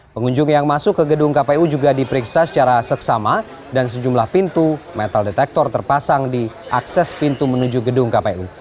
pengunjung yang masuk ke gedung kpu juga diperiksa secara seksama dan sejumlah pintu metal detektor terpasang di akses pintu menuju gedung kpu